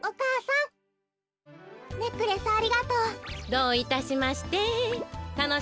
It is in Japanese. どういたしまして。